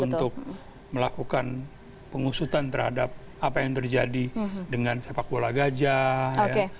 untuk melakukan pengusutan terhadap apa yang terjadi dengan sepak bola gajah ya